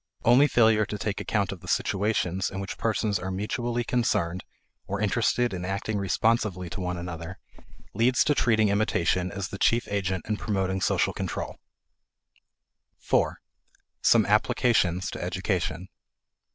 Only failure to take account of the situations in which persons are mutually concerned (or interested in acting responsively to one another) leads to treating imitation as the chief agent in promoting social control. 4. Some Applications to Education.